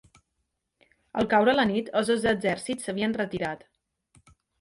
Al caure la nit, els dos exèrcits s'havien retirat.